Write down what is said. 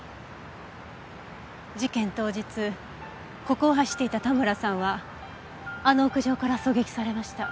事件当日ここを走っていた田村さんはあの屋上から狙撃されました。